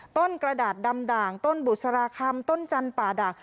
กระดาษดำด่างต้นบุษราคำต้นจันทร์ป่าด่าง